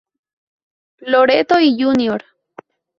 Loreto y Jr.